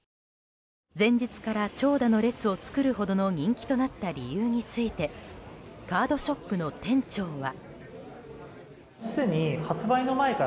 前日から長蛇の列を作るほどの人気となった理由についてカードショップの店長は。